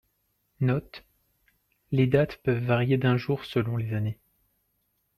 Note : les dates peuvent varier d'un jour selon les années.